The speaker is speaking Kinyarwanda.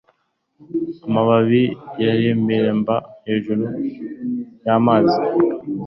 Amababi yareremba hejuru y'amazi.